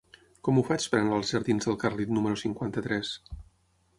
Com ho faig per anar als jardins del Carlit número cinquanta-tres?